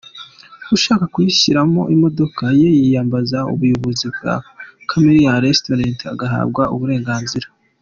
Ushaka kuyishyiramo imodoka ye yiyambaza ubuyobozi bwa Camellia Restaurant agahabwa uburenganzira.